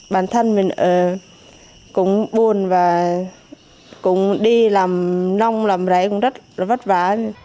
bản thân mình cũng buồn và cũng đi làm nông làm rễ cũng rất vất vả